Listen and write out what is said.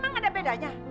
emang ada bedanya